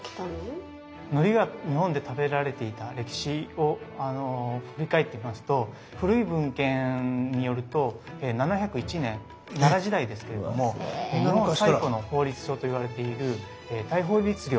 のりが日本で食べられていた歴史を振り返ってみますと古い文献によると７０１年奈良時代ですけれども日本最古の法律書と言われている「大宝律令」